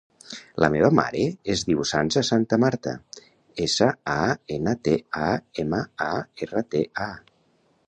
La meva mare es diu Sança Santamarta: essa, a, ena, te, a, ema, a, erra, te, a.